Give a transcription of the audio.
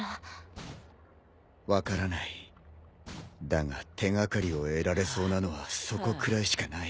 分からないだが手掛かりを得られそうなのはそこくらいしかない。